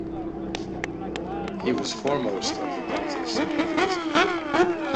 He was foremost of the pontiffs of Hinduism.